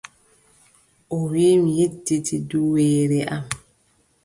O wii, mi yejjiti duweere am.